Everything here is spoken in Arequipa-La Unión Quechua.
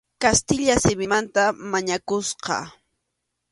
Kastilla simimanta mañakusqa.